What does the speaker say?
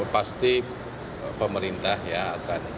pasti pemerintah akan